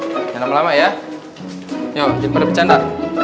jangan lama lama ya yuk jangan pada bercanda